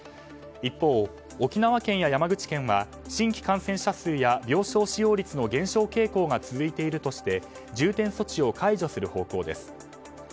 一方、沖縄県や山口県は新規感染者数や病床使用率の減少傾向が続いているとして重点措置を解除する方向です。